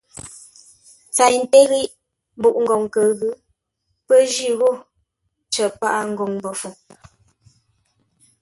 Tsei ńté ghíʼ mbuʼ-ngoŋ kə ghʉ̌ pə́ jî ghô cər paghʼə ngoŋ Mbəfuŋ.